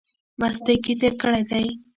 مستۍ کښې تېر کړی دی۔